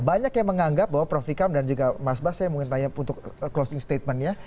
banyak yang menganggap bahwa prof vikam dan juga mas bas saya mungkin tanya untuk closing statementnya